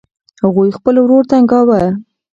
هغوی خپل ورور تنګاوه.